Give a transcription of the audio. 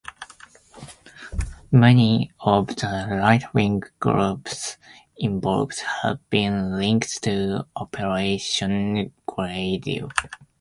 Many of the right-wing groups involved have been linked to Operation Gladio.